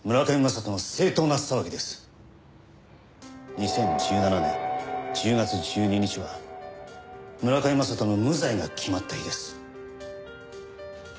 ２０１７年１０月１２日は村上雅人の無罪が決まった日です。